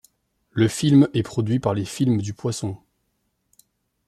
Le film est produit par Les Films du Poisson.